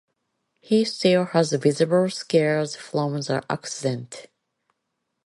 He still has visible scars from the accident.